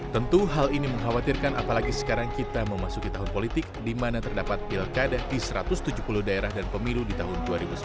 tentu hal ini mengkhawatirkan apalagi sekarang kita memasuki tahun politik di mana terdapat pilkada di satu ratus tujuh puluh daerah dan pemilu di tahun dua ribu sembilan belas